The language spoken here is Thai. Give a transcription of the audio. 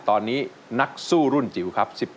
ตอนนี้นักสู้รุ่นจิ๋วครับ